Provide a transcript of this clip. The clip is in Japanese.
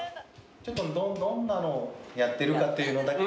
ちょっとどんなのやってるかっていうのだけ。